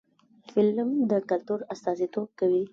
فلم د کلتور استازیتوب کوي